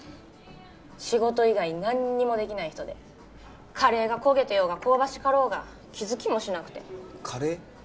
仕事以外何にもできない人でカレーが焦げてようが香ばしかろうが気づきもしなくてカレー？